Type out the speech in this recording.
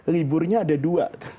liburnya ada dua